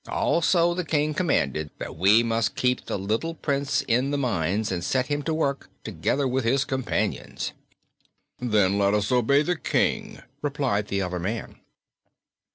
Also the King commanded that we must keep the little Prince in the mines, and set him to work, together with his companions." "Then let us obey the King," replied the other man.